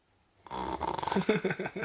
フフフフフ。